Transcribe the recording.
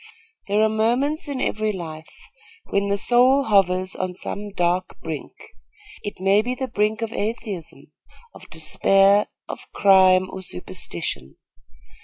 There are moments in every life when the soul hovers on some dark brink. It may be the brink of atheism, of despair, of crime, or superstition.